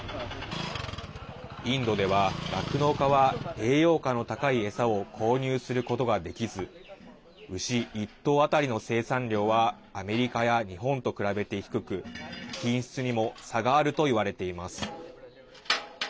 インドでは、酪農家は栄養価の高い餌を購入することができず牛１頭当たりの生産量はアメリカや日本と比べて低く品質にも差があるといわれています。